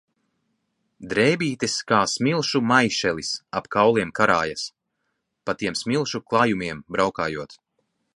Drēbītes kā smilšu maišelis ap kauliem karājas, pa tiem smilšu klajumiem braukājot.